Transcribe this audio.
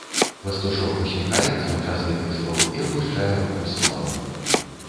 Пастушок усміхаецца ў час гэтых слоў і апушчае руку з салам.